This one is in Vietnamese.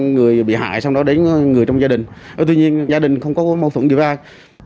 người bị hại xong đó đến người trong gia đình tuy nhiên gia đình không có mâu thuẫn gì với ai